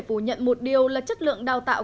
phủ nhận một điều là chất lượng đào tạo